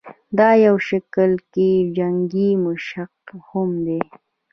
دا يو شکل کښې جنګي مشق هم دے